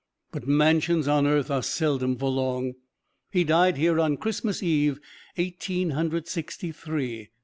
But mansions on earth are seldom for long he died here on Christmas Eve, Eighteen Hundred Sixty three.